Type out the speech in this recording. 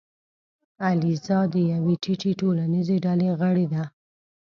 الیزا د یوې ټیټې ټولنیزې ډلې غړې ده.